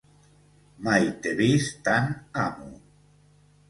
Mai t'he vist tant amo